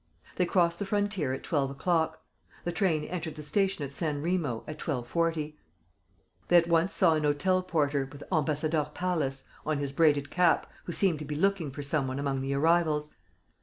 They crossed the frontier at twelve o'clock. The train entered the station at San Remo at twelve forty. They at once saw an hotel porter, with "Ambassadeurs Palace" on his braided cap, who seemed to be looking for some one among the arrivals.